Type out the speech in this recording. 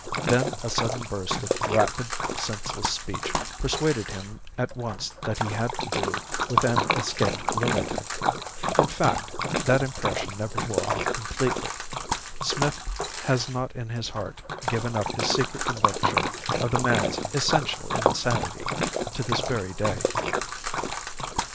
Then a sudden burst of rapid, senseless speech persuaded him at once that he had to do with an escaped lunatic. In fact, that impression never wore off completely. Smith has not in his heart given up his secret conviction of the man's essential insanity to this very day.